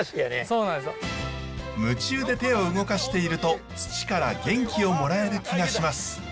夢中で手を動かしていると土から元気をもらえる気がします。